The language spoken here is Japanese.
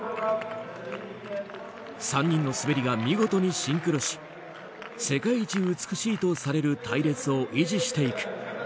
３人の滑りが見事にシンクロし世界一美しいとされる隊列を維持していく。